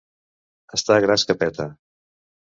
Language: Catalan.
Estar gras que peta.